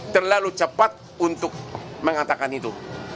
terlalu cepat untuk mengatakan itu